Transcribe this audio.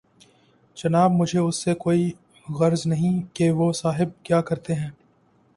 جناب مجھے اس سے کوئی غرض نہیں کہ وہ صاحب کیا کرتے ہیں۔